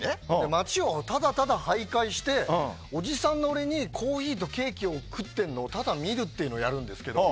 街をただただ徘徊しておじさんの俺がコーヒーとケーキを食っているのをただ見るっていうのをやるんですけど。